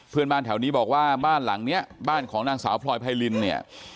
เพื่อนบ้านแถวนี้บอกว่าบ้านหลังเนี้ยบ้านของนางสาวพลอยไพรินเนี่ย